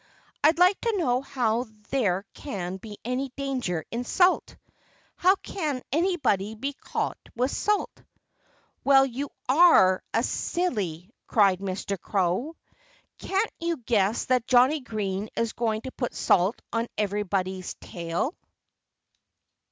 "I'd like to know how there can be any danger in salt. How can anybody be caught with salt?" "Well, you are a silly!" cried Mr. Crow. "Can't you guess that Johnnie Green is going to put salt on everybody's tail?"